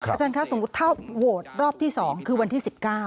อาจารย์คะสมมุติถ้าโหวตรอบที่๒คือวันที่๑๙